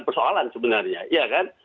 persoalan sebenarnya ya kan